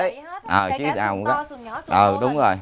tại cả xuồng to xuồng nhỏ xuồng lớn